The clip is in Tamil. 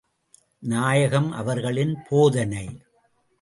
நாயகம் அவர்களின் போதனை...